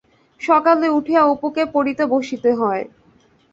সকালে উঠিয়া অপুকে পড়িতে বসিতে হয়।